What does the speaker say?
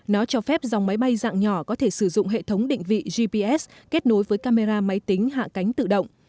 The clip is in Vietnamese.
nó cho phép dòng máy bay dạng nhỏ có thể sử dụng hệ thống định vị gps kết nối với camera máy tính hạ cánh tự động